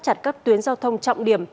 chặt các tuyến giao thông trọng điểm